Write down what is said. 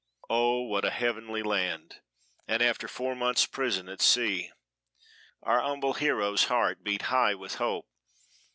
"Oh! what a heavenly land! and after four months' prison at sea." Our humble hero's heart beat high with hope.